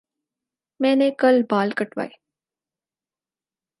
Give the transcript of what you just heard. میں نے کل بال کٹوائے